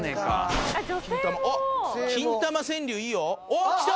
おっきた！